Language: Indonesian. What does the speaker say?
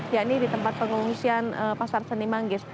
ya ini di tempat pengungsian pasar seni manggis